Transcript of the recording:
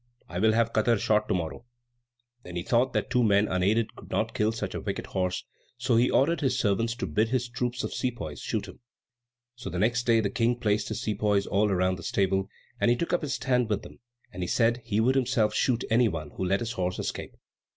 I will have Katar shot to morrow." Then he thought that two men unaided could not kill such a wicked horse, so he ordered his servants to bid his troop of sepoys shoot him. So the next day the King placed his sepoys all round the stable, and he took up his stand with them; and he said he would himself shoot any one who let his horse escape.